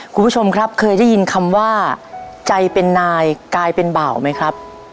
คุณผู้ชมครับเคยได้ยินคำว่าใจเป็นนายกลายเป็นบ่าวไหมครับ